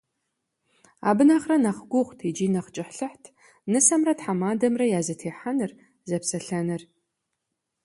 Абы нэхърэ нэхъ гугъут икӏи нэхъ кӏыхьлӏыхьт нысэмрэ тхьэмадэмрэ я зэтехьэныр, зэпсэлъэныр.